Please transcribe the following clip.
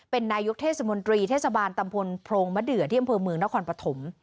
เป็นนายกเทศมนตรีเทศบาลตำบลโพรงมะเดือที่อำเภอเมืองนครปฐม